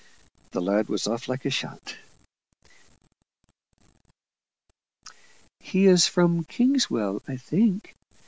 The lad was off like a shot. "He is from Kingswell, I think.